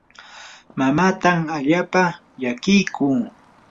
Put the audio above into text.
mamaatam allaapa llakiyku.